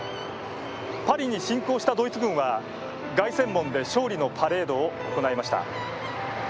パリに侵攻したドイツ軍は凱旋門で勝利のパレードを行いました。